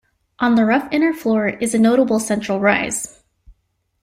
On the rough inner floor is a notable central rise.